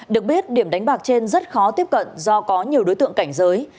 được biết điểm đánh bạc trên rất khó tiếp cận do có nhiều đối tượng cảnh giới